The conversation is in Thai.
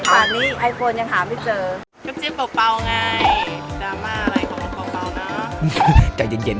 อันนี้ผุมอาลิฟท์ยังหาไม่เจอ